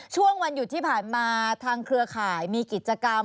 ช่วงวันหยุดที่ผ่านมาทางเครือข่ายมีกิจกรรม